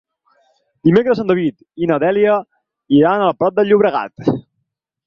Dimecres en David i na Dèlia iran al Prat de Llobregat.